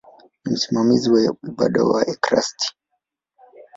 Ni msimamizi wa ibada za ekaristi.